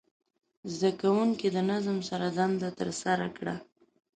زده کوونکي د نظم سره دنده ترسره کړه.